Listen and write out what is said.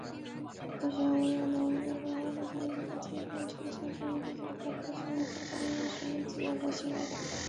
本宣言的任何条文,不得解释为默许任何国家、集团或个人有权进行任何旨在破坏本宣言所载的任何权利和自由的活动或行为。